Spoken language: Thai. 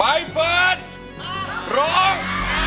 เฟิร์นร้อง